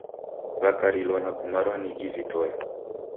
Wakarilwa na kumarwa ni izi toe.